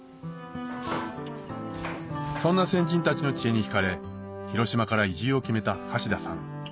そんな先人たちの知恵に引かれ広島から移住を決めた橋田さん